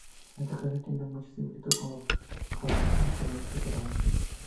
Esta canción tiene mucha similitud con las del primer disco de la banda.